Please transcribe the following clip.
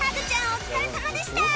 お疲れさまでした！